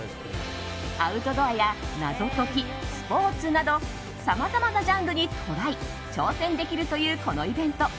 アウトドアや謎解きスポーツなどさまざまなジャンルにトライ挑戦できるというこのイベント。